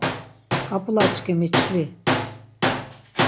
K̆ap̌ulaçkimi çvi.